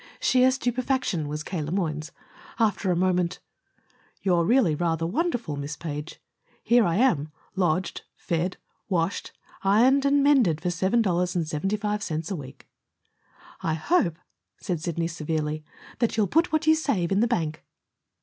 Sheer stupefaction was K. Le Moyne's. After a moment: "You're really rather wonderful, Miss Page. Here am I, lodged, fed, washed, ironed, and mended for seven dollars and seventy five cents a week!" "I hope," said Sidney severely, "that you'll put what you save in the bank."